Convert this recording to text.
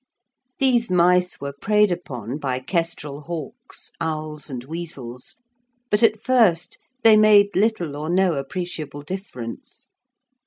These mice were preyed upon by kestrel hawks, owls, and weasels; but at first they made little or no appreciable difference.